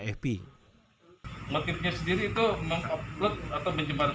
epi motifnya sendiri itu mengupload atau menyebarkan nama baik kelakor dan mendapatkan